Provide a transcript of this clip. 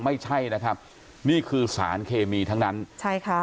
ไม่ใช่นะครับนี่คือสารเคมีทั้งนั้นใช่ค่ะ